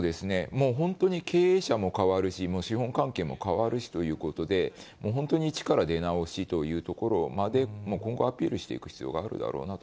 もう本当に経営者も変わるし、資本関係も変わるしということで、本当に一から出直しというところまで、今後、アピールしていく必